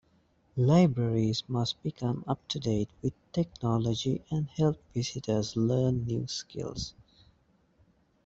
Libraries must become up to date with technology and help visitors learn new skills.